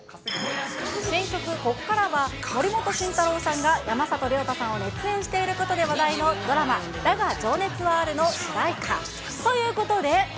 新曲、こっからは、森本慎太郎さんが山里亮太さんが熱演していることで話題のドラマ、だが、情熱はあるの主題歌。ということで。